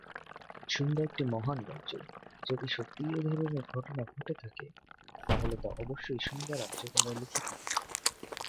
সুন্দা একটি মহান রাজ্য, যদি সত্যিই এই ধরনের ঘটনা ঘটে থাকে, তাহলে তা অবশ্যই সুন্দা রাজ্য দ্বারা লিখিত।